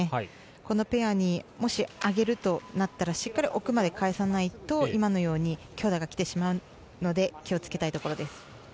このペアにもし上げるとなったらしっかり奥まで返さないと今のように強打が来てしまうので気を付けたいところです。